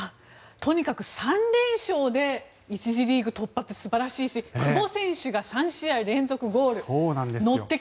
とにかく３連勝で１次リーグ突破って素晴らしいし久保選手が３試合連続ゴール。